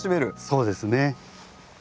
そうですね。